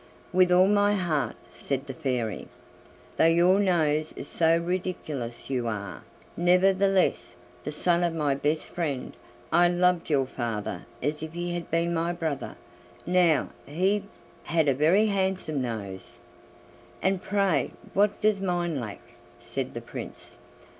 "With all my heart," said the Fairy. "Though your nose is so ridiculous you are, nevertheless, the son of my best friend. I loved your father as if he had been my brother. Now he had a very handsome nose!" "And pray what does mine lack?" said the Prince.